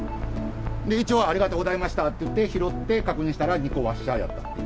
一応、ありがとうございましたって言って、拾って確認したら、２個ワッシャーやったっていう。